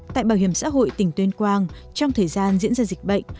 tại bảo hiểm xã hội tỉnh tuyên quang trong thời gian diễn ra dịch bệnh